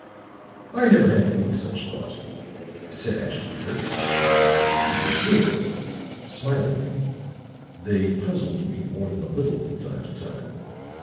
"I never had any such thought," said Ashton Kirk. "To be sure," smilingly, "they puzzled me more than a little from time to time.